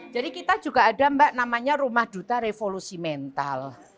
jadi kita juga ada mbak namanya rumah duta revolusi mental